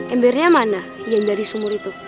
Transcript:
embernya mana yang dari sumur itu